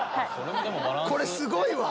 これすごいわ！